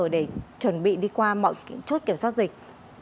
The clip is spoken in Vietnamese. để chuẩn bị đi qua mọi chốt kiểm soát dịch